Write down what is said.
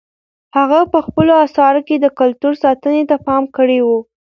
هغه په خپلو اثارو کې د کلتور ساتنې ته پام کړی و.